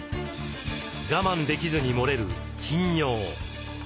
我慢できずにもれる頻尿。